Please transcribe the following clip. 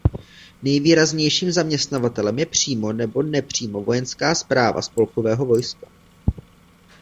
Nejvýraznějším zaměstnavatelem je přímo nebo nepřímo vojenská správa spolkového vojska.